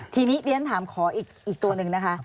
ทีนี้เรียนถามขออีกตัวหนึ่งนะคะ